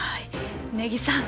根木さん